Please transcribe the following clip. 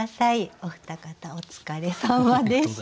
お二方お疲れさまでした。